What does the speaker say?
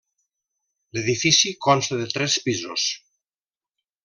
L'edifici consta de tres pisos.